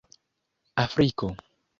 Afriko